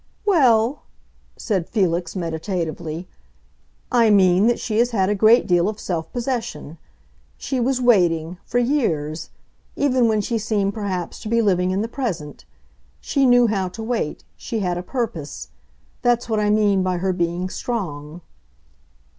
"Well," said Felix meditatively, "I mean that she has had a great deal of self possession. She was waiting—for years; even when she seemed, perhaps, to be living in the present. She knew how to wait; she had a purpose. That's what I mean by her being strong."